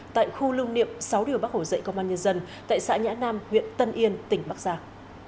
tại khu lương niệm sáu điều bác hồ dạy công an nhân dân tại xã nhã nam huyện tân yên tỉnh bắc giác